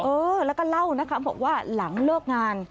เข้าไปแล้วก็เล่านะคะว่าหลังเริ่มงาน